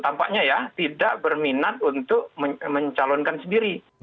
tampaknya ya tidak berminat untuk mencalonkan sendiri